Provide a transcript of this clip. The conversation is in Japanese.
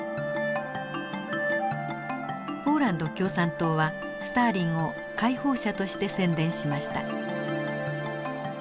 ポーランド共産党はスターリンを解放者として宣伝しました。